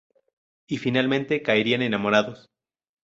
Y finalmente caerían enamorados.